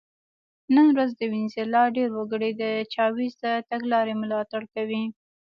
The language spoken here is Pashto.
نن ورځ د وینزویلا ډېر وګړي د چاوېز د تګلارې ملاتړ کوي.